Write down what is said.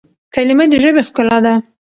کلیمه د ژبي ښکلا ده.